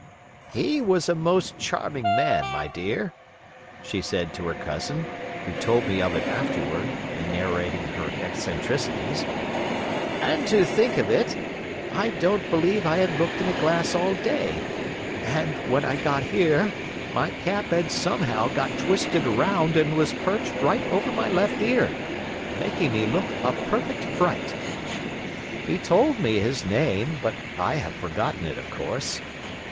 "He was a most charming man, my dear," she said to her cousin, who told me of it afterward in narrating her eccentricities; "and to think of it, I don't believe I had looked in a glass all day, and when I got here, my cap had somehow got twisted around and was perched right over my left ear, making me look a perfect fright. He told me his name, but I have forgotten it, of course.